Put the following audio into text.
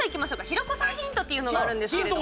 平子さんヒントっていうのがあるんですけれども。